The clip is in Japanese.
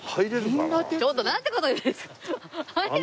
ちょっとなんて事言うんですか。